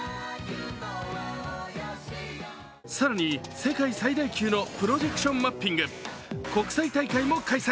更に、世界最大級のプロジェクションマッピング国際大会も開催。